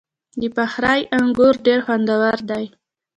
د فخری انګور ډیر خوندور دي.